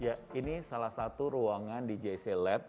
ya ini salah satu ruangan di jc lab